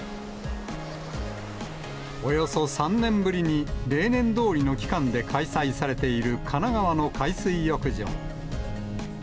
およそ３年ぶりに例年どおりの期間で開催されている神奈川の海水浴場。